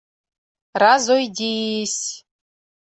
Разойди-и-ись!